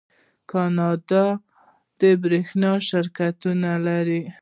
کاناډا د بریښنا شرکتونه لري.